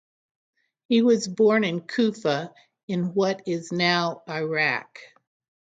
He was born in Kufa in what is now Iraq.